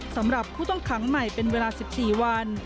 สำหรับผู้ต้องขังใหม่เป็นเวลา๑๔วัน